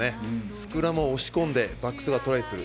スクラムが押し込んで、バックスがトライする。